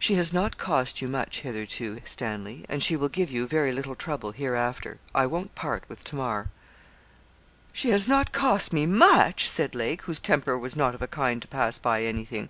'She has not cost you much hitherto, Stanley, and she will give you very little trouble hereafter. I won't part with Tamar.' 'She has not cost me much?' said Lake, whose temper was not of a kind to pass by anything.